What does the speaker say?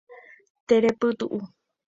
Terepytu'u